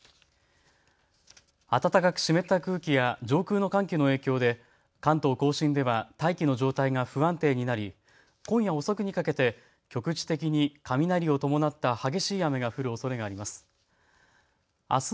暖かく湿った空気や上空の寒気の影響で関東甲信では大気の状態が不安定になり、今夜遅くにかけて局地的に雷を伴った激しい雨が降るおそれがあります。